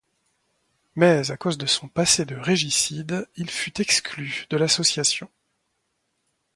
Mais à cause de son passé de régicide, il fut exclu de l'association.